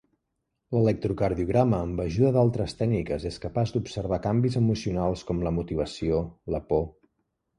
L'electrocardiograma amb ajuda d’altres tècniques és capaç d'observar canvis emocionals com la motivació, la por…